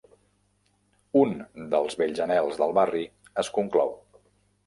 Un dels vells anhels del barri es conclou.